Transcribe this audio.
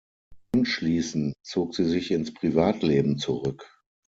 Anschließend zog sie sich ins Privatleben zurück.